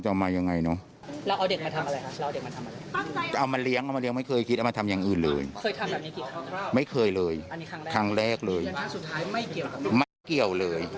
ขอให้ช่วยพี่ด้วยพี่ไม่เกี่ยว